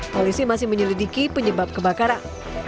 polisi masih menyelidiki penyebab kebakaran